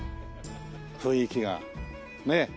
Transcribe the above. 雰囲気がねえ。